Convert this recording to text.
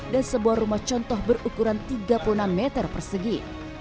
dan sebuah rumah contoh berukuran tiga puluh enam meter persegi